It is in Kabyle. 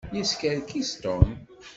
Yeskerkis Tom.